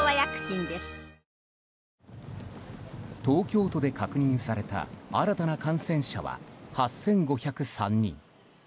東京都で確認された新たな感染者は８５０３人。